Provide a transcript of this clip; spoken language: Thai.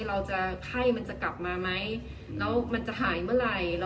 ไข้มันจะกลับมาไหมแล้วมันจะหายเมื่อไหร่